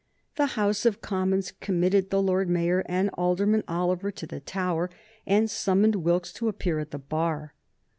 The House of Commons committed the Lord Mayor and Alderman Oliver to the Tower, and summoned Wilkes to appear at the bar.